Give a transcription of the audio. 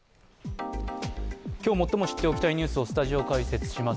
今日、最も知っておきたいニュースをスタジオ解説します